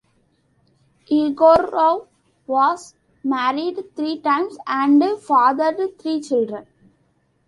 Yegorov was married three times and fathered three children.